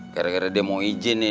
gara gara dia mau izin nih